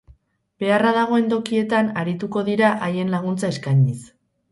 Beharra dagoen tokietan arituko dira haien laguntza eskainiz.